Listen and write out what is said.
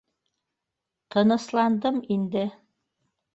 Тынысландым инде.